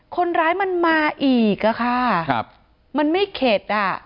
คนร้ายมันมาอีกอะค่ะครับมันไม่เข็ดอ่ะ